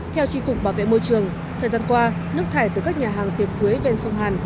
theo tri cục bảo vệ môi trường thời gian qua nước thải từ các nhà hàng tiệc cưới ven sông hàn